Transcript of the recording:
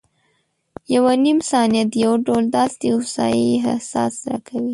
یوه نیمه ثانیه د یو ډول داسې هوسایي احساس راکوي.